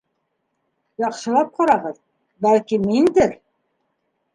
Яҡшылап ҡарағыҙ, бәлки, миндер?